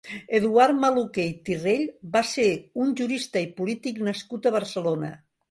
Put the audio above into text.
Eduard Maluquer i Tirrell va ser un jurista i polític nascut a Barcelona.